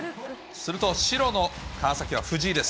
すると白の川崎は藤井です。